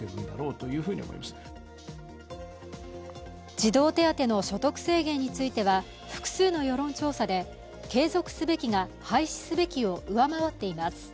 児童手当の所得制限については複数の世論調査で「継続すべき」が「廃止すべき」を上回っています。